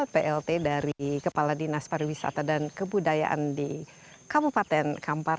dan ini pak heri susanto plt dari kepala dinas pariwisata dan kebudayaan di kabupaten kampar